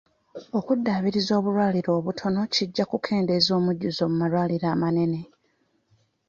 Okuddaabiriza obulwaliro obutono kijja kukendeeza omujjuzo mu malwaliro amanene